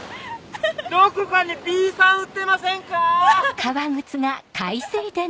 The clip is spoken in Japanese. どこかにビーサン売ってませんか⁉アハハ！